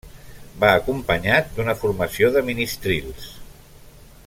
Va acompanyat d'una formació de ministrils.